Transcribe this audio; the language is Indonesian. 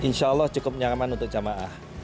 insya allah cukup nyaman untuk jamaah